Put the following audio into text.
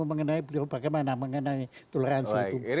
mengenai beliau bagaimana mengenai toleransi itu